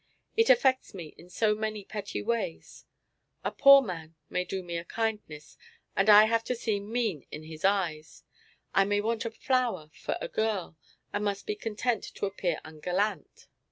It affects me in so many petty ways. A poor man may do me a kindness, and I have to seem mean in his eyes. I may want a flower for a girl, and must be content to appear ungallant.